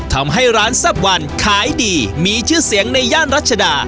ทำให้ร้านแซ่บวันขายดีมีชื่อเสียงในย่านรัชดา